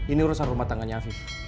ini urusan rumah tangganya afif